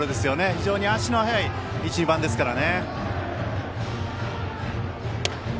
非常に足の速い１、２番ですから。